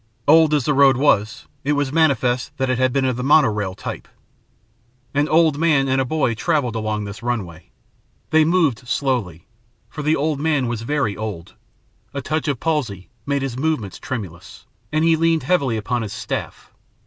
Old as the road was, it was manifest that it had been of the mono rail type. An old man and a boy travelled along this runway. They moved slowly, for the old man was very old, a touch of palsy made his movements tremulous, and he leaned heavily upon his staff.